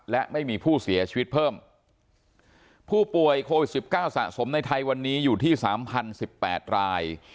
และไม่มีผู้เสียชีวิตเพิ่มผู้ป่วยโควิด๑๙สะสมในไทยวันนี้อยู่ที่๓๐๑๘ราย